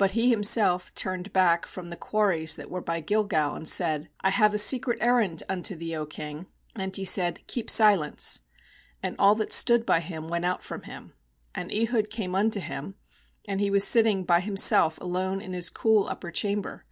19But he him self turned back from the quarries that were by Gilgal, and said: 'I have a secret errand unto thee, O king.' And he said: 'Keep silence/ And all that stood by him went out from him. 20And Ehud came unto him; and he was sitting by himself alone in his cool upper chamber.